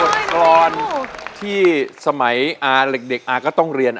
ดีมากพี่